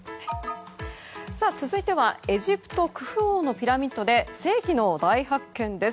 続いてはエジプト、クフ王のピラミッドで世紀の大発見です。